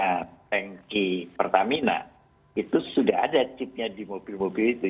karena tanki pertamina itu sudah ada chipnya di mobil mobil itu